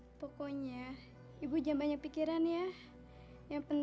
sebaiknya ibu rina segera dibawa ke rumah sakit pah